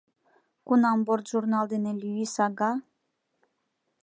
Кунам бортжурнал дене Люис ага